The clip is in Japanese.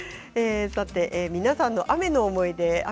皆さんの雨の思い出